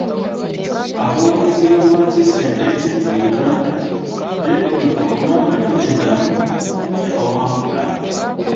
Abawagiza ba Manchester United mu Uganda beekweka kubanga Tottenham yabawangula.